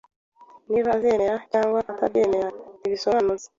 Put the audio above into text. Niba azemera cyangwa atabyemera ntibisobanutse